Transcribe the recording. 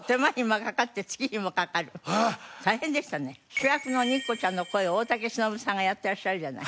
主役の肉子ちゃんの声を大竹しのぶさんがやってらっしゃるじゃない。